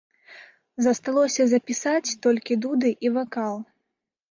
Засталося запісаць толькі дуды і вакал.